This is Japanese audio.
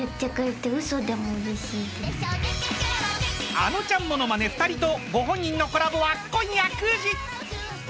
［あのちゃんものまね２人とご本人のコラボは今夜９時］